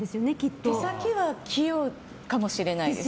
手先は器用かもしれないです。